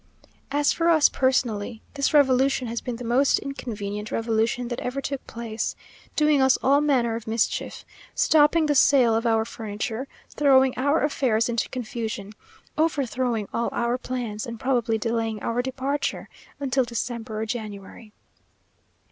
As for us personally, this revolution has been the most inconvenient revolution that ever took place; doing us all manner of mischief; stopping the sale of our furniture, throwing our affairs into confusion; overthrowing all our plans, and probably delaying our departure until December or January.